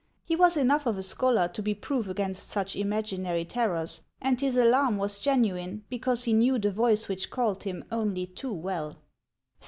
He was enough of a scholar to be proof against such imaginary terrors; and his alarm was genuine, because he knew the voice which called him only too well.